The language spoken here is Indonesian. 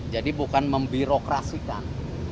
jadi bukan membirokrasikan